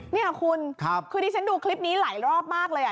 นี่คุณคือดิฉันดูคลิปนี้หลายรอบมากเลย